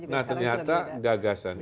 nah ternyata gagasan